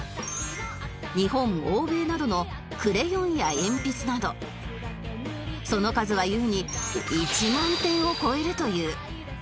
日本欧米などのクレヨンや鉛筆などその数は優に１万点を超えるという